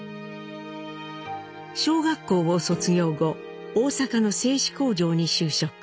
小学校を卒業後大阪の製糸工場に就職。